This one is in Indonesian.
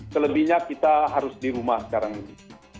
selebihnya kita harus di rumah sekarang ini